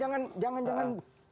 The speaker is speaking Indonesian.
jangan jangan jangan